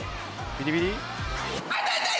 ビリビリ？